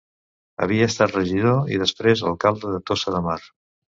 Havia estat regidor i després alcalde de Tossa de Mar.